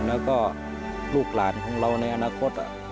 แล้วก็ลูกหลานของเราในอนาคต